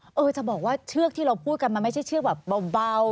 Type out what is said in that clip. เออจะบอกว่าเชือกที่เราพูดกันมันไม่ใช่เชือกแบบเบา